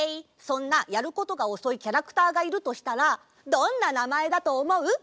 そんなやることがおそいキャラクターがいるとしたらどんななまえだとおもう？